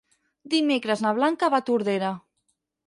Dimecres na Blanca va a Tordera.